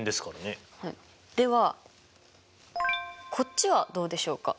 ではこっちはどうでしょうか？